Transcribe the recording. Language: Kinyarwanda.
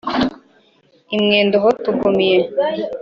i mwendo hotugumiye.